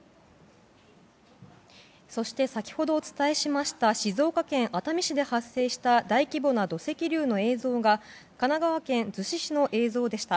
そして先ほどお伝えしました静岡県熱海市で発生した大規模な土石流の映像が神奈川県逗子市の映像でした。